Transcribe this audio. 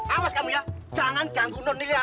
awas kamu ya jangan ganggu nonnila lagi